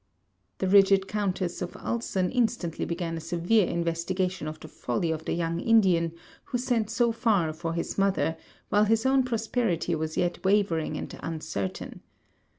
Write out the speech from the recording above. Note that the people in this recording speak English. The rigid Countess of Ulson instantly began a severe investigation of the folly of the young Indian, who sent so far for his mother, while his own prosperity was yet wavering and uncertain.